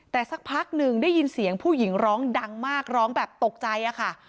แต่สักพักหนึ่งได้ยินเสียงผู้หญิงร้องดังมากร้องแบบตกใจค่ะ